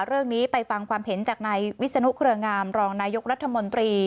เรื่องนี้ไปฟังความเห็นจากนายวิศนุเครืองามรองนายกรัฐมนตรี